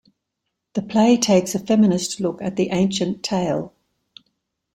The play takes a feminist look at the ancient tale.